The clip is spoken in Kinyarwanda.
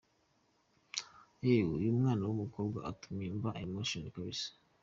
eh….uyu mwana w’umukobwa atumye mba emotional kabisa!